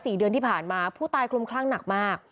สี่เดือนที่ผ่านมาผู้ตายคลุมคลั่งหนักมาก